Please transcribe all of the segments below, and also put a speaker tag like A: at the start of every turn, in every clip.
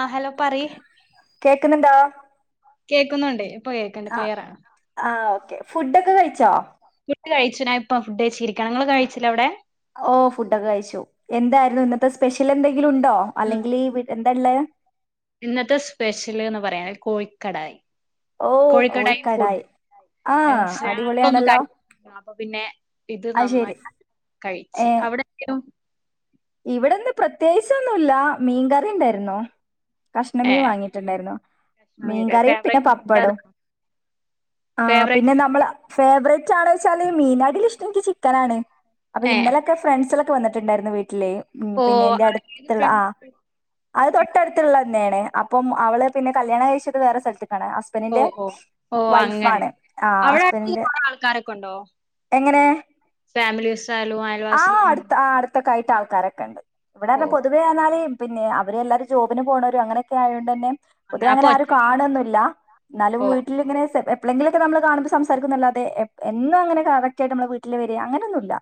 A: ആഹ hello പറയ്
B: കേക്കുന്നുണ്ടോ
A: കേൾക്കുന്നുണ്ട്
B: ആ ആ ഓക്കെ ഫുഡ് ഒക്കെ കഴി ച്ചോ
A: ഫുഡ് കഴിച്ചു ഞാൻ ഫുഡ്ക്കഴിച്ച് ഇരിക്കണ് നിങ്ങള് കഴിച്ചില്ലോ അവിടെ
B: ഓ ഫുഡ്ഒക്കെ കഴിച്ചു. എന്തായിരുന്നു ഇന്നത്തെ സ്പെഷ്യൽ എന്തെ [inaudible] ണ്ടോ
A: ഉം.
B: അല്ലെങ്കിൽ വി ള്ള [inaudible]
A: ഇന്നത്തെ സ്പെഷ്യൽ എന്ന് പറയാൻ കോഴിക്കടായി കോഴിക്കടായി ഫുഡും
B: ആ
A: രാവിലെ ഒന്നും
B: അടിപൊളിയാണല്ലോ
A: കഴിച്ചില്ല അപ്പൊ പിന്നെ ഇത്
B: ആ ശരി
A: നന്നായിട്ട് കഴിച്ച് അവിടെ എന്ത് ആയിരുന്നു
B: ഇവിടെന്ന് പ്രത്യേകിച്ചൊന്നുല്ല മീൻകറി ഇണ്ടായിരുന്നോ കഷ്ണമീൻ
A: ഏഹ്
B: വാങ്ങിയിട്ടുണ്ടായിരുന്നു
A: പ്രശ്നൊന്നുല്ല
B: മീൻകറിയും പിന്നെ
A: ഫേവറേറ്റ് ഫുഡ്
B: പപ്പടും
A: അതാ
B: ആ
A: ഫേവറേറ്റ്
B: പിന്നെ നമ്മള
A: ഫുഡ്
B: ഫേവററ്റ് വെച്ചാല് മീനാകിൽൽ എനിക്ക് ഇഷ്ടം നിക്ക് ചിക്കനണ് അപ്പൊ
A: ഏഹ്
B: ഇന്നലെക്കെ ഫ്രണ്ട്സക്കെ ഉപ്പ വന്നിണ്ടായിരുന്നു വട്ടിൽ ത്തിലെ ഉ പിന്നെ
A: ഓഹ്
B: എന്റെ അടുത്തുള്ള ആഹ് അത് തൊട്ടടുത്തുള്ളന്നെയാണ് അപ്പം അവള് പിന്നെ കല്യാണം കഴിച്ചത് വേറെ സ്ഥലത്ത്
A: ഓ ഓ ഓ അങ്ങനെ
B: ആ
A: അവിടെ
B: ഹസ്ബൻഡിന്റെ
A: [inaudible] ആൾക്കാരൊക്കെ ഉണ്ടോ
B: എങ്ങനെ
A: ഫാമിലിവിസായാലും അയൽവാസി
B: ട്ട് ആൾക്കാരക്കെ ഉണ്ട് ഇവിടെന്ന പൊതുവേ ആന്നാല് പിന്നെ അവരെല്ലാരും ജോബിന് പോണോരും അങ്ങനെക്കെ ആയോണ്ട് തന്നെ പൊതുവേ അങ്ങനെ
A: അപ്പൊ
B: ആരും
A: ഒറ്റ
B: കാണുവോന്നുവില്ല എന്നാലും
A: ഓ
B: വീട്ടിലിങ്ങനെ എപ്പേളെങ്കിലൊക്കെ നമ്മൾ കാണുമ്പോ സംസാരിക്കന്നല്ലതെ എ എന്നും അങ്ങനെ കറക്റ്റയിട്ട് നമ്മളെ വീട്ടില് വരിക അങ്ങനൊ ന്നുമല്ല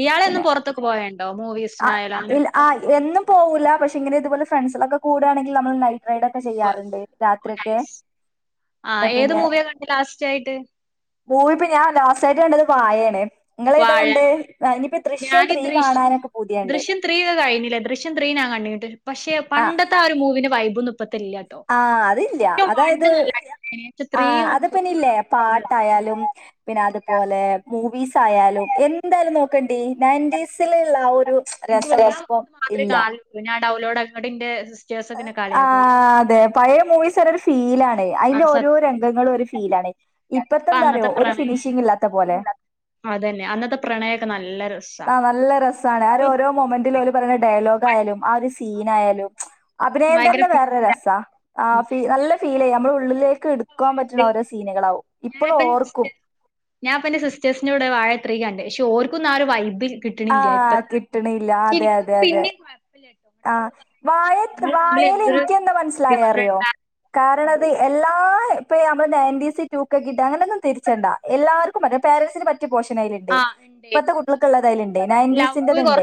A: ഇയാളെന്നും പുറത്തൊക്കെ പോവയുണ്ടോ മൂവീസ്
B: ആ ഇല്ല ആ എന്നും പോവൂല്ല പക്ഷെ ഇങ്ങനെ ഇതുപോലെ ഫ്രണ്ട്സുകളൊക്കെ കൂടുകയാണെങ്കി നമ്മള് നൈറ്റ്‌
A: ആഹ് ഏത്
B: പിന്നെ
A: മൂവിയക്കണ്ടെ ലാസ്റ്റ് ആയിട്ട്
B: മൂവി ഇപ്പ ഞാൻ നിങ്ങളെതാ കണ്ടെ
A: വാഴല്ലേ
B: ആഹ് ഇനിയിപ്പ ദൃശ്യം
A: ഞാനീ
B: ത്രീ
A: ദൃശ്
B: കാണാനൊക്കെ പൂതിയുണ്ട്
A: ദൃശ്യം ത്രീ കഴിഞ്ഞില്ലേ ദൃശ്യം ത്രീനാ കണ്ടിട്ട് പക്ഷെ ക്ഷ പണ്ടത്തെ ആ മൂവിന്റെ വൈ
B: ആഹ് അതില്ല അതായത്
A: വണ്ണ് നല്ല അടിപൊളിയായിന് പക്ഷെ ത്രീ
B: ആഹ് അത് പിന്നെല്ലേ പാട്ടായാലും പിന്നെ അതുപോലെ മൂവീസ് ത്തയാലും എന്തായാലും നോക്കണ്ടി നിന്റീസിലുള്ള ഒരു രസമൊന്നും ഇപ്പം
A: മാത്രേ
B: ഇല്ല
A: [inaudible] ഡൗൺലോഡ് [inaudible]
B: ആ
A: കളിയാക്കും ഈ
B: അതെ പഴയ മൂവിസെല്ല ഒരു ഫീലാണ് അയിന്റെ
A: അത്
B: ഓരോ
A: സത്യം
B: രംഗങ്ങളും ഒരു ഫീലാണ്
A: ഇപ്പൊ
B: ഇപ്പഴതെന്താന്നറിയോ
A: അന്നത്തെ
B: ഒരു
A: പ്രണയം
B: ഫിനിഷിങ് ഇല്ലാത്തെ
A: അതന്നെ അന്നത്തെ പ്രണയൊക്കെ നല്ല രസാ
B: പോലെ--ആഹ് നല്ല രസാണ് ഓരോ മൊമെന്റിലും ഓല് പറയുന്ന ഡയലോഗ് ആയാലും ആ ഒരു സീനായാലും അഭിനയം
A: ഭയങ്കര
B: തന്നെ വേറൊരു രസ ആ ഫീ നല്ല ഫീലേയ്യും നമ്മളെ ഉള്ളിലേക്ക് എടുക്കുവാൻ പറ്റുന്ന ഓരോ സീനുകളവും ഇപ്പോഴും ഓർക്കും
A: ഞാൻപ്പൊ എന്റെ സിസ്റ്റേഴ്സിന്റെഓടൊയി വാഴത്രീ കണ്ട് പക്ഷെ ഓറുക്കൊന്നും ആ ഒരു വൈബ് ഇല്ല
B: ആ കിട്ടണില്ല അതെ അതെ അതെ
A: പിന്നേം കൊഴപ്പില്ലട്ടോ
B: ആ
A: എന്നിട്ട് ഓള് പറഞ്ഞോട്
B: വാഴ
A: നമ്മള് തമ്മിൽ
B: വാഴെല്
A: എന്തൊരു
B: ഇന്ക്കന്താ മന്സ്സിലായെ അറിയോ
A: ഡിഫറൻറ്
B: കാരണം അത് എല്ലാ പ്പഴെ നമ്മള് നയൻറ്റീസ് ടു കെ ക്കിഡ് അങ്ങനൊന്നും തിരിച്ചണ്ട എല്ലാര്ക്കും പറ്റും പാരന്റ്സിന് പ റ്റിയ പോഷനായിര്ണ്ട്
A: ആ ഇണ്ട്
B: ഇപ്പത്തെക്കുട്ട്യ ള്ക്ക്ള്ളത് അയില്ണ്ട്
A: ലവ്
B: നയന്റീസിന്റത്ണ്ട്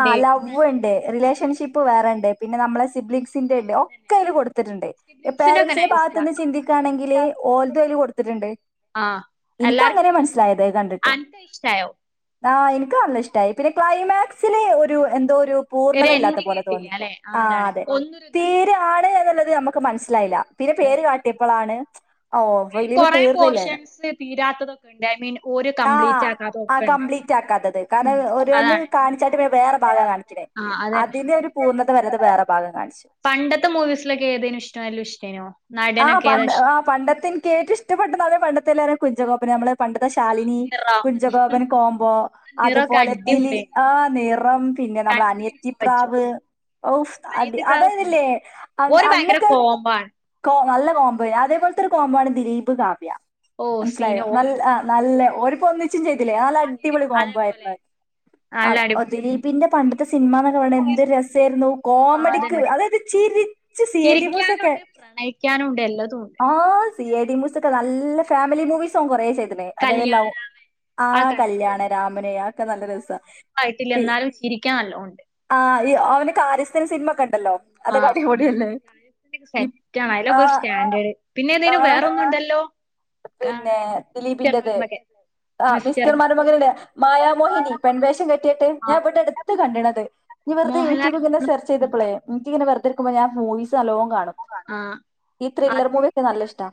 B: ആ ലവ്വുണ്ട് റിലേഷ ഇപ്പൊ വേറെണ്ട് പിന്നെ നമ്മളെ സിബ്ലിംഗസിന്റെണ്ടോ ഒക്കയില് കൊടുത്തിട്ടിണ്ട്
A: സിബ്ലിങ്സിന്റെ ഒക്കെ
B: പേരന്റ്സിന്റെ
A: നൈസാ
B: ഭാത്ത്ന്ന് ചിന്തിക്കാണെങ്കില് ഓല്തയില് കൊടുത്തിട്ട്ണ്ട്
A: ആ എല്ലാർക്കും
B: എനിക്കങ്ങനെ
A: പറ്റിയതുണ്ട്
B: മനസ്സിലായത് കണ്ടിട്ട്
A: അനക്കത് ഇഷ്ടായോ
B: ആ എനിക്ക് നല്ല ഇഷ്ടായി പിന്നെ ക്ലൈമാക്സില് ഒരു എന്തോ രു
A: ഒരു
B: പൂർണ്ണതല്ലാ
A: എൻഡ്
B: [unintelligible]
A: കേട്ടില്ല
B: തോന്നി
A: അല്ലെ
B: ആ
A: അതാണ്
B: അതെ
A: ഒന്നൊരു ഇതായി
B: തീരെ ആളേതാ ള്ളത് നമ്മക്ക് മനസ്സിലായില്ല പിന്നെ പേര്
A: അതാണ്
B: കാട്ടിയപ്പളാണ് ഓ
A: അതിൽ
B: ഫിലീമ്
A: കൊറേ
B: തീർന്നില്ലാന്നു
A: പോർഷൻസ് തീരാത്തതൊക്കെ ഉണ്ട് ഐ മീൻ ഓര്
B: ആ
A: കംപ്ലീറ്റ്
B: ആ
A: ആക്കാത്തതൊക്കെ ഉണ്ട്
B: കംപ്ലീറ്റ് ആക്കാത്തത്
A: ഉം
B: കാരണം ഒരോന്ന്
A: അതാണ്
B: കാണിച്ചാട്ട് വെ വേറെ ഭാഗാ കാണിച്ച്ണേ
A: ആ പണ്ടത്തെ മൂവീസിലൊക്കെ ഏതേനും ഇഷ്ടം എല്ലു ഇഷ്ടേനോ നടനൊക്കെ ഏതാ ഇഷ്
B: ന് ക്കേറ്റവും ഇഷ്ടപ്പെട്ട നടന് പണ്ടത്തെല്ലേരും കുഞ്ചാഗോപനെ നമ്മള് പണ്ട ശാലിനി
A: നിറ
B: കുഞ്ചാഗോപൻ കോമ്പോ
A: നിറൊക്കെ
B: അതുപോലെ ദിലി
A: അടിപൊളിയാണ്
B: ആ നിറം പിന്നെ നമ്മളെ അനിയത്തി
A: കണ്ടിരിക്കാൻ പറ്റും
B: പ്രാവ് ഔഫ് അടി
A: അനിയത്തിപ്രാവ്
B: അതയ്നില്ലെ അന്ന്
A: ഓര് ഭയങ്കര
B: അന്നൊക്കെ
A: കോമ്പാണ്
B: കോ നല്ല കോമ്പോയാ അതേപോലത്തൊരു കോമ്പോ ആണ് ദിലീപ് കാവ്യ
A: ഓ സീന
B: മനസ്സിലായോ നല്ല
A: ഓരിപ്പോ
B: ആ നല്ല ഒരു ക്കൊന്നിച്ച് ച്ചും ചെയ്തില്ലേ അല്ല അടിപൊളി കോംമ്പായിര്ന്നത്
A: നല്ല
B: അതാ ഓ
A: അടിപൊളിയേനു
B: ദിലീപിന്റെ പണ്ട റ്റ് സിനിമാ ന കാണാൻ എന്ത് രസെരുന്നു
A: ആഹ്
B: കോമഡിക്ക്
A: അതന്നെ
B: അതായത് ചിരിച്ച് സി. ഐ. ഡി. മൂസൊക്കെ
A: ചിരിക്കാനുണ്ട് പ്രണയിക്കാനുണ്ട് എല്ലതും ഉണ്ട്
B: ആ സി. എ. ഡി. മുസൊക്കെ നല്ല ഫാമിലി മൂവീസാവൻ കൊറേ ചെ ക്ക്ല്ലെ അതെ എല്ലാവോ
A: കല്യാണരാമൻ
B: ആഹ് കല്ല്യാണരാമന് ആ ഒക്കെ നല്ല രസാ
A: ആയിട്ടില്ലേന്നാലും ചിരിക്കാന് നല്ലോംഒണ്ട്
B: ആഹ് അയ്യോ അവന് കാരിസ്ഥൻ സിനിമക്കണ്ടല്ലോ
A: ആഹ് അതൊക്കെ കാര്യാസ്ഥന്റെ ഒക്കെ
B: ഇപ്-
A: സെറ്റാ
B: ആ
A: അയിലൊക്കെ സ്റ്റാൻഡേർഡ് പിന്നെ
B: ആ
A: എന്തേനും വേറെ ഒന്നുണ്ടല്ലോ
B: പിന്നെ ദിലീപിൻന്റെത് ആഹ് മിസ്റ്റർ മരുമകന്ലെ മായാമോഹിനി പെൺവേഷം കെട്ടിട്ട് ഞാൻ
A: ആഹ്
B: ഇമ്പടെ അട്ത്ത് കണ്ട്ണത് നീ വെറുതെ
A: മോഹൻലാൽ
B: യൂട്യൂബിങ്ങനെ സെർച്ചചെയ്തപ്പളെ എനിക്ക് ഇങ്ങനെ വെറ്തെ ഇരിക്കുമ്പോ ഞാൻ മൂവിസ്‌ നല്ലോ കാണും
A: ആഹ്
B: ഈ ത്രില്ലെർ മൂവി ഒക്കെ നല്ല ഇഷ്ടാ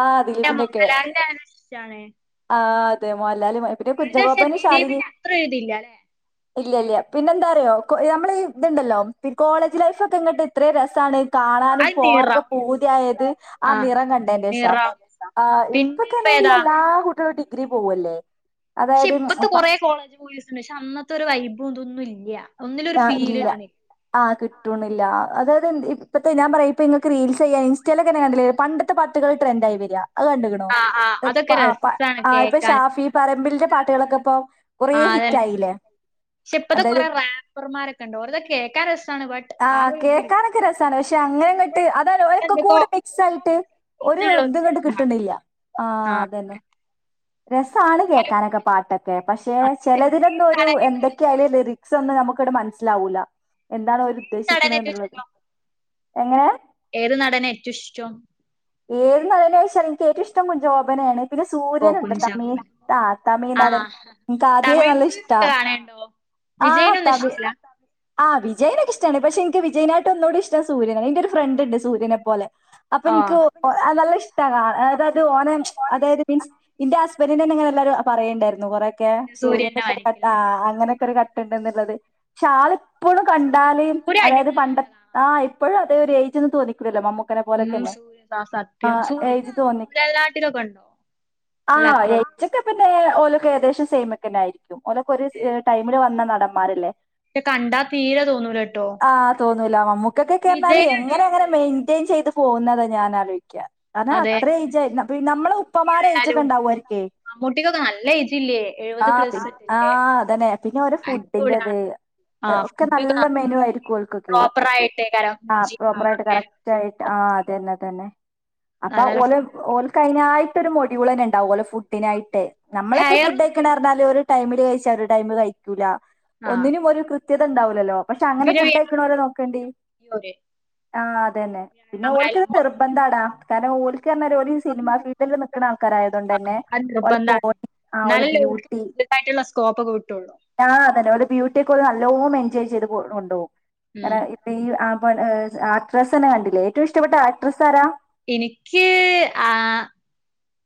B: ആ ദിലീപിന്റെ
A: പിന്നമ്മക്ക് [unintelligible]
B: ആഹ് അതേ മാ ല്ലാലും പിന്നെ കുഞ്ചാക്കോപനും ശാലിനീം
A: ദിലീപിന്റെ അത്ര ഒരിതില്ല അല്ലെ
B: ഇല്ല ഇല്ല പിന്നെ എന്താറിയോ കൊ നമ്മള് ഈ ഇതിണ്ടല്ലോ കോളേജ് ലൈഫ് ഒക്കെ ഇങ്ങട്ട് ഇത്ര രസാണ് കാണാനും
A: അത്
B: പോകാനൊക്കെ
A: നിറം
B: പൂതിയായത് ആ
A: ആഹ്
B: നിറം കണ്ടി [unintelligible]
A: നിറം
B: അഹ് ഇപ്പ
A: പിന്നെ
B: തന്നെല്ല
A: ഏതാ
B: എല്ലാ കുട്ടികളും ഡി [unintelligible] പൂവല്ലേ
A: ക്ഷെ ഇപ്പത്തെ കൊറേ കോളേജ് മൂവീസ് ഇണ്ട്. ക്ഷെ അന്നത്തെ ഒരു വൈബും ഇതൊന്നും ഇ ല്ല്യാ
B: ആഹ് ഇല്ല ആഹ് കിട്ടൂണില്ലാ അതായത് എന്ത്‌ ഇപ്പത്തെ ഞാൻ പറയാ ഇങ്ങക്ക് റീൽസ് ചെയ്യാൻ ഇൻസ്റ്റയിലൊക്കെന്നെ കണ്ടില്ലേ പണ്ടത്തെ പാട്ടുകള് ട്രെൻഡായി വരികാ അത് കണ്ടിക്കണു
A: ആഹ് ആഹ്
B: ഇഹ് പ
A: അതൊക്കെ
B: ആഹ്
A: രസാണ്
B: അഹ് ഇപ്പൊ
A: കേക്കാൻ
B: ഷാഫി പറമ്പിലിന്റെ പാട്ടുകളൊക്കെ ഇപ്പൊ കൊറേ
A: ആഹ്
B: ഹിറ്റ്
A: അതന്നെ
B: ആയില്ലേ
A: ക്ഷെ ഇപ്പത്തെ
B: അതായത്
A: കൊറേ റാപ്പ ക്കണ്ട് ഓറത് കേക്കാൻ രസാണ് ബട്ട് ആ ഒരിതില്ല
B: അങ്ങനങ്ങട്ട് അതാണ് ഒരെക്കക്കൂടി മിക്സ് ആയിട്ട് ഒരു ഇതങ്ങട്ട് കിട്ടണില്ല ആഹ് അതന്നെ. രസാണ് കേക്കാനൊക്കെ പാട്ടൊക്കെ. പക്ഷെ
A: ഏത്
B: ചെലതിലൊന്നും ഒരു
A: നടനെ
B: എന്തൊക്കെയാലും ലിറിക്സ് ഒന്നും ഞമ്മക്കിവിടെ മനസ്സിലാവൂല എന്താണ് ഓ ഉദ്ദേശിക്കണേ
A: ഏറ്റവും
B: എന്നുള്ളത്
A: ഇഷ്ടം
B: എങ്ങനെയാ
A: ഏത് നടനേ ഏറ്റവും ഇഷ്ട്ടം
B: ഏത് നടനെ വെച്ചാൽ എനിക്ക് ഏറ്റവും ഇഷ്ടം കുഞ്ചാബോബനെയാണ് പിന്നെ
A: ഓ
B: സൂര്യനും തമ
A: കുഞ്ചാക്കോബൻ
B: ത തമി നടൻ
A: ആഹ്
B: എനിക്ക് ആദ്യേ
A: തമിഴ്
B: നല്ല
A: മൂവീസ്
B: ഇഷ്ടാ
A: ഒക്കെ കാണേണ്ടോ
B: ആ
A: വിജയനൊന്നും
B: തമി
A: ഇഷ്ടല്ല
B: ആ വി വിജനൊക്കെ ഇ്ടമാണ് പക്ഷെ എനിക്കു വിജയനായിട് ഒന്നോടി ഇഷ്ട്ടം സൂര്നെ എനിന്റെ ഒരു ഫ്രണ്ട് സര്യനെ പോലെ അപ്പൊ
A: ഓ
B: എനിക്ക് നല്ല ഇഷ്ടക അതത് ഓന അതായത് മീൻസ് എന്റെ ഹസ്ബൻഡ്നെ നിങ്ങെല്ലരും പറയേണ്ടായിരുന്നു കുറക്കെ
A: സൂര്യന്റെ
B: സൂര്യന്റെക്കെ ഒരു കട്ട് ആ
A: മാരിക്കല്ലേ ഓ അപ്പൊ
B: അങ്ങനെയൊക്കെ ഒരു
A: അതുകൊണ്ടൊക്കെ ഇഷ്ടായി.
B: കട്ട്ണ്ട്നുള്ളത് പക്ഷെ ആള് എപ്പോഴും കണ്ടാലും
A: സൂര്യ
B: അതായത് പണ്ട
A: അടിപൊളിയാണല്ലോ
B: ആ
A: കാണാൻ
B: ഇപ്പോഴ അതെ ഒരു എജ്ന്ന് തോന്നിക്കൂനില്ല മമ്മുക്ക
A: ഉ സൂര്യ സ സത്യം
B: ഏജ്
A: സൂര്യക്ക് മുലനാട്ടിലൊക്കെ ഉണ്ടോ അല്ല
B: ആഹ്
A: അത്ര
B: എച്ചക്ക ഓലൊക്കെഏകദേശം സെയിമ് ഒക്കെയിരിക്കും ഓ [inaudible] ടൈമില് വന്ന നടമ്മാരില്ലേ
A: പക്ഷെ കണ്ടാ തീരെ തോന്നൂലേട്ടോ
B: ന്നൂല്ല നമ്മുക്ക് ഇകൊക്കെന്നലെ എങ്ങനങ്ങനെ മെയ്ന്റെയ്ൻ ചെയ്ത് പോന്നതെ ഞാൻ അലോയിക്ക അതാ
A: അതെ
B: അത്രേ എജ് നമ്മളെ
A: മമ്മൂട്ടി
B: ഉപ്പമാരെ എജ് ഇജ്ജ്
A: ആയാലും
B: കണ്ടായിരിക്കുമെ
A: മമ്മൂട്ടിക്കൊക്കെ നല്ല ഏജില്ലേ എഴുപത്
B: ആ പി
A: പ്ലസ് ഇല്ലേ
B: ആാാ അതന്നെ പിന്നെ ഓരോ ഫുഡ്‌ഡി ന്റതെ
A: അടിപൊളിയാണല്ലോ ആഹ്
B: ഒക്കെ നല്ല
A: ഫുഡൊക്കെ
B: മെനു ആയിരിക്കുക്കോഴക്കൊക്കെ
A: പ്രോപ്പർ ആയിട്ട് കാരണം
B: ആ പ്രോപ്പറായിട്ട് കറക്റ്റ് ആയിട്ട് ആ അതന്നെ അതന്നെ അപ്പം
A: നല്ല
B: ഓലും ഓലുക്കയിനായി തരുമൊഴ്‌ ഇവളന്നുണ്ടാവുമല്ലോ ഫുഡ് ഇതിനായിട്ട് നമ്മളൊക്കെ
A: ഹെയർ
B: ഫുഡ്‌
A: ഒന്ന് നേരെ
B: കഴിക്കുന്നെറഞ്ഞാൽ ഒരു ടൈമില് കഴിച്ചാരു ടൈമു കഴിക്കൂല
A: ആ
B: ഒന്നിനും ഒരു ക്രി ത്യത ഉണ്ടാവൂലല്ലോ പക്ഷെ അങ്ങനെ
A: പിന്നെ
B: ഫുഡ്ഡഴിക്കണ്ടൊരേ നോക്കേണ്ടി ആ അതന്നെ പിന്നെ ഓൾക്കത് നിർബ്ബന്ധാടാ കര ഓൽ ക്കന്നേരം ഒരു സിനിമ ഫീൽഡിലു നിക് ആൾക്കാരായതോണ്ടു തന്നെ
A: അത്
B: ഒളിപ്പം
A: നിർബന്ധമാണ്
B: ഓളു
A: എന്നാലല്ലേ ഓർക്ക്
B: ബ്യൂട്ടി
A: ഇതായിട്ടുള്ള സ്കോപ്പ് ഒക്കെ കിട്ടുള്ളൂ
B: ആ അതന്നെ ബ്യൂട്ടിക്കൊ നല്ലോ [unintelligible] എൻജോയ് ചെയ് ചെയ്ത് പോ ഉണ്ടോ എടാ
A: ഉം.
B: ഇപ്പ ഈ ആ ആകട്രെസ്സു തന്നെ കണ്ടില്ലേ ഏറ്റവും ഇഷ്ടപ്പെട്ട ആക്ട്രസ്സ് ആരാ?
A: എനിക്ക് ആ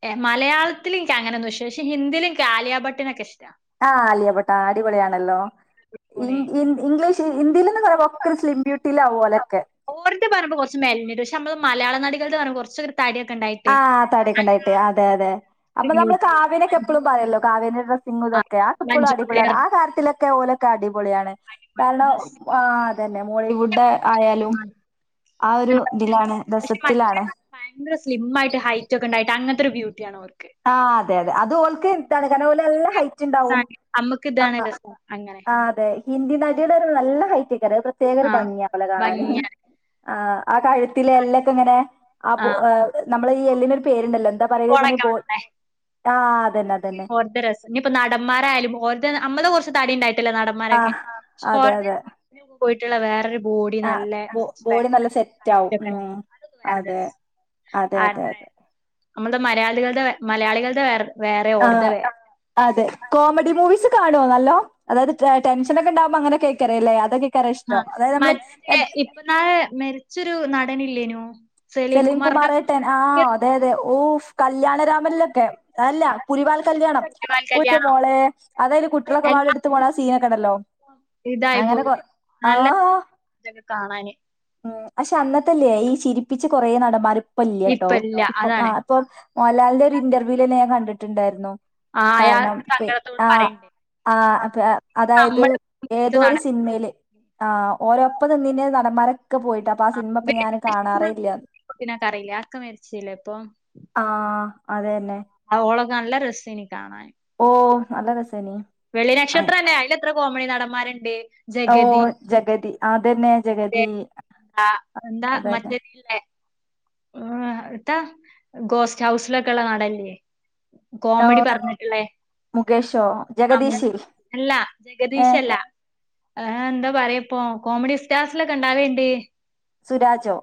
A: ഏ മലയാളത്തിലുംക്കങ്ങനൊന്നും പക്ഷെ ഹിന്ദിയിലും ആലിയാ ഭട്ടിനൊക്കെ ഇഷ്ട്ടാ
B: ആ ആലിയഭട്ട് അടിപൊളിയാണല്ലോ ഇൻ ഇൻ ഇഗ്ലീഷ് ഹിന്ദീലൊന്നും
A: ഓർത്തു പറയുമ്പോ കുറച്ച് മല പക്ഷെ നമ്മള് മലയാള നടി കുറച്ച [unintelligible]
B: ആ താടിയൊക്കെണ്ടായിട്ട് അതെ അതെ
A: ഒരു
B: അപ്പൊ നമ്മള്
A: ബ്യൂട്ടി
B: കാവ്യെനൊക്കെപ്പഴും പറയുമല്ലോ കാവ്യന്റെ
A: ആ
B: ഡ്രസ്സിങ്ങുകളൊക്കെ
A: ആ,
B: അതെപ്പഴും പ്പോഴും
A: മഞ്ജു
B: അടിപൊളിയാണ്
A: വാര്യർ
B: ആ കാര്യത്തിലൊക്കെ ഓലൊക്കെ അടിപൊളിയാണ് കാരണം
A: ഡ്രസ്
B: ആ തന്നെ മോളിവുഡേ ആയാലും ആ ഒരു ഇതിലാണ് രസത്തിലാണ്
A: ഹൈറ്റൊക്കെ ണ്ടായിട്ടെ അങ്ങനത്തൊരു ബ്യൂട്ടിയാണ് അവർ
B: ആ അതെ അതെ അത് ഓൾക്കെ കാരണം ഓൾക്കെ നിതാണെ കാരണം ഓനെ നല്ല ഹൈറ്റിണ്ടാവും
A: നമ്മക്ക്
B: ആ
A: ഇതാണ് രസം അങ്ങനെ
B: അ അതെ ഹിന്ദി നടിയുടെ ഒരു നല്ല ഹൈറ്റ് കേരക് പ്രത്യേക ഒരു
A: ആ
B: ഭംഗിയേ അവളെ കാണാനെ
A: ഭംഗിയാണ്
B: ആ ആ [unintelligible] ത്തിലെല്ലക്കെങ്ങനെ
A: ആ
B: മ്മള് എല്ലിനെ പേരുണ്ടല്ലോ എന്താ പറയ ഇതിനെ
A: കോളൊക്കെ വേണല്ലേ
B: ആ അ
A: [unintelligible] രസം ഇപ്പൊ നടന്മാരാലും ഓര് നമ്മള് തടിണ്ട [unintelligible]
B: ആ
A: നടന്മാരൊക്കെ
B: അതെ അതെ
A: [unintelligible] പോയിട്ടുള്ള വേറൊരു ബോഡി
B: ആ
A: നല്ല
B: ബോ ബോഡി നല്ല സെറ്റ് ആവും ഉം
A: [unintelligible]
B: അതെ അതെ
A: ആ
B: അതെ അതെ
A: നമ്മടെ മലയാളികല്ടെ വെ മലയാളികള്ടെ വേ വേറെ ഓ
B: അ അതെ കോമഡി മൂവീസ് കാണോ വല്ലോ അതത് ടെൻഷൻ ഒക്കെ ഇണ്ടകുമ്പോ അങ്ങനെ കേൾക്കറ അല്ലേ അതൊക്കെ
A: ആ മറ്റേ ഇപ്പൊ ഇന്നാളെ മരിച്ചൊരു നട പണില്ലേനോ?
B: സലിം കുമാർ ഏട്ടൻ ആഹ അതെ അതെ ഓഫ് കല്യാണ രാമനിലൊക്കെ അല്ല പുലിവാൽ കല്യാണം
A: ഗോപാൽ
B: പൊന്ന്
A: കല്യാണം
B: മോളെ അതായത് കുട്ടിയളൊക്കെ പാടെ ഇ
A: എല്ലാം
B: ട്ത്ത് പോണ സീനൊക്കെ ണ്ടല്ലോ
A: ഇതായി
B: അങ്ങനെ
A: പോയി
B: കൊറ ആ
A: നല്ല ഇതൊക്കെ കാണാന്
B: ഉം അഷേ അന്നത്തല്ലേ ഈ ചിരിപ്പിച്ച കൊറേ നടന്മാരി പ്പല്യാട്ടോ.
A: ഇപ്പ ഇല്ല
B: ഇപ്പം ആ
A: അതാണ്
B: ഇപ്പം മോഹൻലാലിന്റെ ഒരു ഇന്റർവ്യൂ ലെന്നെ ഞാൻ കണ്ടിട്ട് ട്ടുണ്ടായിരുന്നോ?
A: ആ അയാൾ
B: കാരണം
A: സങ്കടത്തോട്
B: ആ
A: പറയണ്ട്
B: ഹ് ആഹ് അതായത്
A: നമ്മള് ഇത്
B: ഏതോരു
A: നട
B: സിനിമയില് ആ ഓരോപ്പം നിന്നെ നട മറ [unintelligible] പോയിട്ട് അപ്പൊ ആ സിനിമ ഇപ്പൊ ഞാന് കാണാറേയില്ല
A: ക്കറിയില്ലേ അക്ക മരിച്ചില്ലേ ഇപ്പൊ
B: ആഹ് അത് തന്നെ
A: ഓളൊക്കെ നല്ല രസം ഇനി കാണാൻ
B: ഓ നല്ല രസം
A: വെള്ളിനക്ഷത്രം അല്ലേ അയിന്റെ അത്ര- കോമഡി നടന്മാരുണ്ട്
B: ഓ
A: ജഗതി
B: ജഗതി അത് തന്നെ ജഗതി
A: രേഖ എന്താ
B: അത് ന്നെ
A: ആ ഇട്ടാ ഗോസ്റ്റ് ഹൗസിലൊക്കെ ഉള്ള നടനില്ലേ
B: ഓ
A: കോമഡി പറഞ്ഞിട്ടുള്ളേ
B: മുകേഷോ ജഗദീഷ്
A: അല്ല
B: ഏ
A: ജഗദീഷ് അല്ല ആ എന്താ പറയ് ഇപ്പൊ കോമഡി സ്റ്റാർസിലൊക്കെ ഉണ്ടാവേണ്ടേ
B: സുരാജോ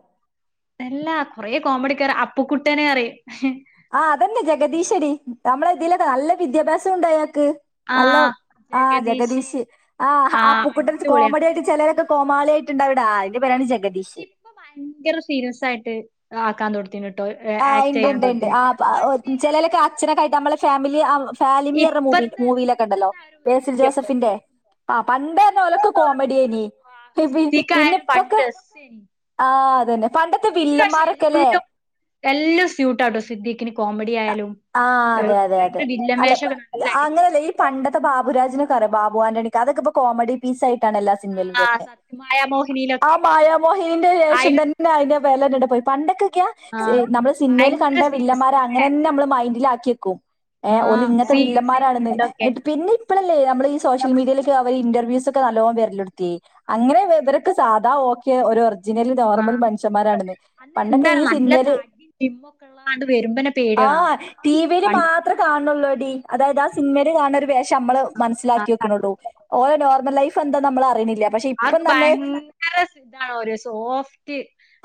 A: എല്ലാ കൊറെ കോമഡിക്കാര് അപ്പക്കുട്ടേനെ അറി -
B: ആഹ് അതന്നെ ജഗദീശടീ. നമ്മള് ഇതീലൊക്കേ നല്ല വിദ്യാഭ്യാസം ഉണ്ടയാക്ക ക്ക് നല്ല ആ ജഗദീഷ് ആ
A: ആഹ്
B: അപ്പക്കുട്ടൻ
A: അടിപൊളിയാ
B: കോമഡി ആയിട്ട് ചെലരൊക്കെ കോമാളി ആയിട്ടുണ്ടവിടാ ആ അയിന്റെ പേരാണ് ജഗ
A: പക്ഷേ ഇപ്പ ഭയങ്കര സീരിയസ് ആയിട്ട് ആക്കാൻ തുടങ്ങ. [unintelligible]
B: ആഹ് ഇണ്ട് ഇണ്ട് ഇണ്ട് ആ പ്പ
A: പണ്ടേനി ആ
B: ചെലോലൊക്കെ അച്ഛനൊക്കെ
A: കോമഡിയൊക്കെ
B: ആയിട്ട് നമ്മളെ ഫാമിലി ആ ഫാലിമിർഞ്ഞ മൂബി
A: ഇപ്പത്തെ
B: മൂവിയിലൊക്കെണ്ടല്ലോ
A: പണ്ടത്തെ ആ ഒരു
B: ബേസിൽ
A: ഇതില്ലപ്പൊ
B: ജോസഫിന്റെ ആ പണ്ട്അർഞ്ഞാ ഓലൊക്കെ കോമഡിയേയ്നീ
A: ആഹ്
B: പിന്നെ
A: സിദ്ദിഖായാലും
B: ഇപ്പൊ
A: പണ്ട്
B: ഒക്കെ
A: രസേനി
B: ആഹ്. പണ്ടത്തെ വില്ലന്മാരൊക്കെല്ലേ.
A: എല്ലം സ്യൂട്ടാട്ടോ സിദ്ദീഖിന് കോമഡി ആയാലും
B: ആഹ്
A: ഏ,
B: അതെ അതെ അതെ
A: ഭയങ്കര വില്ലൻ
B: അല്ലപ്പ
A: വേഷൊക്കെ നല്ല അടിപൊളിയാ
B: അങ്ങനെയല്ല ഈ പണ്ടത്തെ ഭാ ബുരാജിനെ ബാബു ആന്റണി അതൊക്ക ഇപ്പോ കോമഡി പീസ് ആയിട്ട് ട്ടാണ് എല്ലാ സിനിമയിലും
A: ആഹ്
B: വര്ന്നേ
A: സത്യമായ
B: ആ
A: മോഹിനിയിലൊക്കെ
B: മായാമോഹിനിന്റെ ശേഷം
A: അയിലൊക്കെ
B: തന്നെ അയ്നെ വെലടടെ പോയി പണ്ടൊക്കെ ക്ക്യ സി
A: ആഹ്
B: നമ്മള് സിൻമയിൽ
A: ഭയങ്കര
B: കണ്ട
A: സീരിയസ്
B: വില്ലമാരെ
A: ല്ലേ
B: അങ്ങനെന്നെ നമ്മള് മൈൻഡില് ആക്കിയക്കും. ഏ ഓ
A: ആഹ്
B: ഇങ്ങനത്തെ
A: സീരിയസേനി
B: വില്ലന്മാരാണെന്ന്
A: പണ്ടൊക്കെ
B: ഇന്നിട്ട് പിന്നെ ഇപ്പോളല്ലേ നമ്മള് ഈ സോഷ്യൽ മീഡിയയിലേക്കെ അവര് ഇന്റർവ്യൂസ്ക്കെ നിക്ക് നല്ലോണ് വരലെട്ത്ത് അങ്ങനെ ഇവരൊക്കെ സാധാ ഓക്കെ ഒരു ഒറിജിനല് നോർമൽ
A: ആഹ്
B: മനുഷ്യന്മാരാണെന്ന്
A: അന്ന്
B: പണ്ടൊക്കെ ഈ
A: എന്താണ് നല്ല
B: സിനിമയില്
A: തടിം ജിമ്മൊക്കെ ഉള്ളാണ്ട് വരുമ്പന്നെ
B: ആ.
A: പേടിയാ കാണുമ്പോ
B: ടി വിയിൽ
A: പണ്ടത്തെ
B: മാത്രം കാണ്നെ ള്ളോടി. അതായത് ആ സിനിമയിൽ കാണുന്ന ഒരു വേഷം നമ്മള്
A: ആഹ്
B: മനസ്സിലാക്കി
A: ആഹ്
B: വെക്കണള്ളൂ ഓരേ നോർമൽ ലൈഫ് ഇപ്പോ എന്താ നമ്മൾ അറിയണില്ലേ അപ്പ
A: ആക്ക് ഭയങ്കര ഇതാണ് ഒരു സോഫ്റ്റ്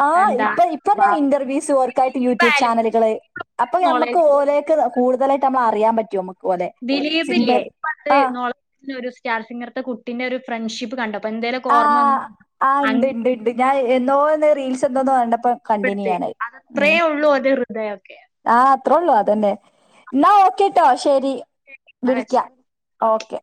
B: ആ ഇപ്പ ഇപ്പന്നെ ഇന്റർവ്യൂസ്
A: എന്താപറയ്
B: ഓർക്കായിട്ട്
A: ദിലിപായാലും ദിലിപ്. [unintelligible]
B: പോലെയേക്ക്. കൂടുതാലായിട്ട് നമ്മളറിയാൻ പറ്റോ നമ്മക്ക്. ഓലെ.
A: ദിലീപില്ലേ
B: സിനിമേൽ
A: ഇപ്പം
B: ആഹ്
A: ഇണ്ട് നോളത്തിന് ഒരു സി സ്റ്റാർ സിംഗറിത്തെ കുട്ടിന്റെ ഒരു ഫ്രണ്ട്ഷിപ്പ് കണ്ടപ്പേ
B: ആഹ് ആ ഇണ്ട് ഇണ്ട് ഉണ്ട് ഞാൻ എന്തോ റീൽസ് എന്തോന്നന്ന് കണ്ട
A: [unintelligible] അത്രേ ഉള്ളൂ ഓന്റെ ഹൃദയൊക്കെ.
B: ത്രള്ളോ അതന്നെ ന്ന ഓക്കെട്ടോ ശരി
A: എന്നാ
B: വിളിക്ക
A: വെച്ചോ
B: ഓക്കെ